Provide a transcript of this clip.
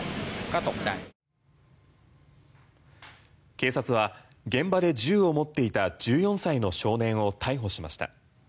警察は現場で銃を持っていた１４歳の少年を逮捕しました。